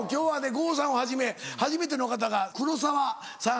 郷さんをはじめ初めての方が黒沢さん。